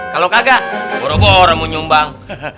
kalau kagak boroboromu nyumbang